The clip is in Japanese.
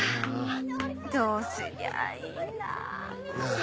どうすりゃいいんだ。